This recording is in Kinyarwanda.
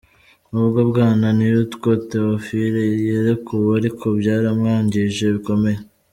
Nubwo Bwana Ntirutwa Theophile yarekuwe ariko baramwangije bikomeye!